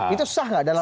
itu susah nggak dalam